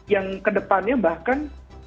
yang kedepannya bahkan